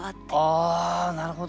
ああなるほど。